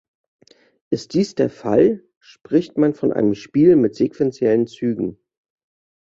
Ist dies der Fall, spricht man von einem Spiel mit sequenziellen Zügen.